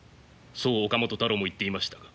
そう岡本太郎も言っていましたが。